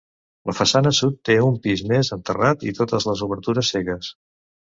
La façana sud té un pis més amb terrat i totes les obertures cegues.